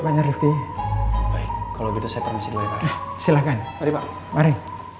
banyak rizky baik kalau gitu saya permisi dulu ya pak silahkan mari pak mari